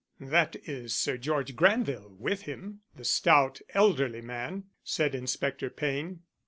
"That is Sir George Granville with him the stout elderly man," said Inspector Payne.